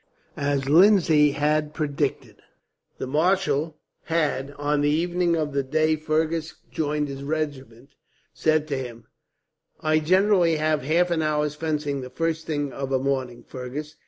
As Lindsay had predicted, the marshal had, on the evening of the day Fergus joined his regiment, said to him: "I generally have half an hour's fencing the first thing of a morning, Fergus.